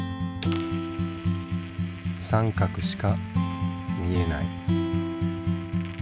三角しか見えない。